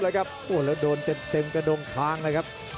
แล้วโดนเต็มกระดงค้างเลยครับ